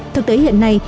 thực tế hiện nay